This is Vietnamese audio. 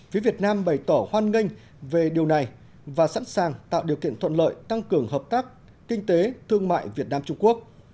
phía việt nam bày tỏ hoan nghênh về điều này và sẵn sàng tạo điều kiện thuận lợi tăng cường hợp tác kinh tế thương mại việt nam trung quốc